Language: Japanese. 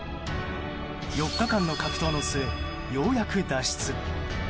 ４日間の格闘の末ようやく脱出。